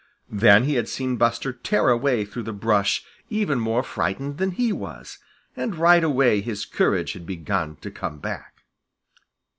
Then he had seen Buster tear away through the brush even more frightened than he was, and right away his courage had begun to come back.